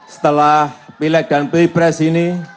setelah pilek dan pilpres ini